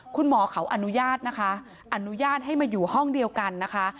คุณหมอเขาอนุญาตนะคะอนุญาตให้มาอยู่ห้องเดียวกันนะคะ